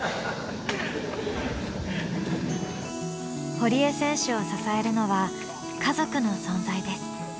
堀江選手を支えるのは家族の存在です。